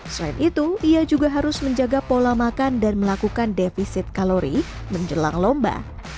selain itu ia juga harus menjaga pola makan dan melakukan defisit kalori menjelang lomba